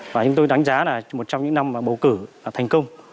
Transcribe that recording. và chúng tôi đánh giá là một trong những năm bầu cử thành công